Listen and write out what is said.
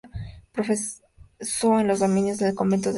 Profesó en los dominicos del convento de San Pedro Mártir de Calatayud.